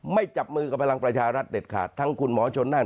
จับมือกับพลังประชารัฐเด็ดขาดทั้งคุณหมอชนนั่น